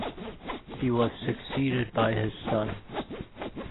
He was succeeded by his son.